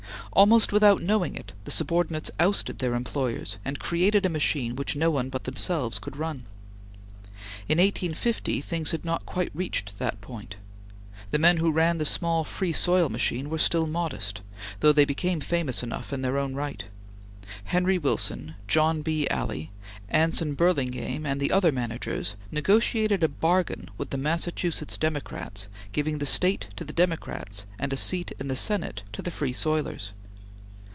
Almost without knowing it, the subordinates ousted their employers and created a machine which no one but themselves could run. In 1850 things had not quite reached that point. The men who ran the small Free Soil machine were still modest, though they became famous enough in their own right. Henry Wilson, John B. Alley, Anson Burlingame, and the other managers, negotiated a bargain with the Massachusetts Democrats giving the State to the Democrats and a seat in the Senate to the Free Soilers.